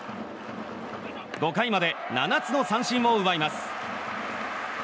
５回まで７つの三振を奪います。